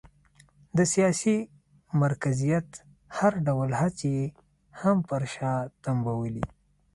د سیاسي مرکزیت هر ډول هڅې یې هم پر شا تمبولې.